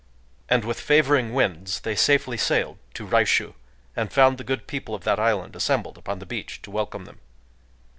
And with favoring winds they safety sailed to Raishū, and found the good people of that island assembled upon the beach to welcome them.